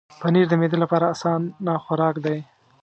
پنېر د معدې لپاره اسانه خوراک دی.